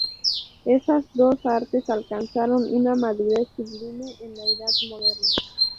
Esas dos artes alcanzaron una madurez sublime en la Edad Moderna.